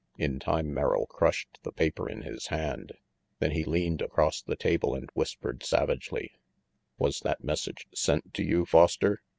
In time Merrill crushed the paper in his hand; then he leaned across the table and whispered savagely : "Was that message sent to you, Foster?"